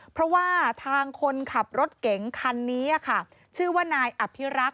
เพราะว่าทางคนขับรถเก๋งคันนี้ค่ะชื่อว่านายอภิรักษ